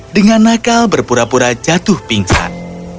dengan nakal berpura pura jatuh pingsan